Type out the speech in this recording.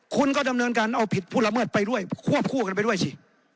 คุณก็ดำเนินการเอาผิดผู้ละเมิดไปด้วยควบคู่กันไปด้วยสิ